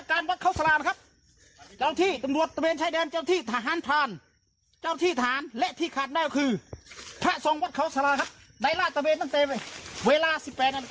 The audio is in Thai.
ลักลอบตัดไม้ในพื้นที่ข้างกำเภกวัด